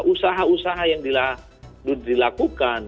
usaha usaha yang dilakukan